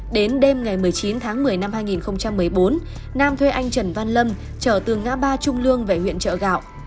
đến đêm ngày một mươi chín tháng một mươi năm hai nghìn một mươi bốn nam thuê anh trần văn lâm trở từ ngã ba trung lương về huyện chợ gạo